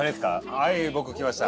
はい僕きました。